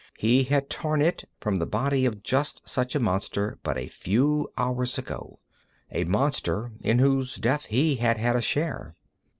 He had torn it from the body of just such a monster but a few hours ago, a monster in whose death he had had a share.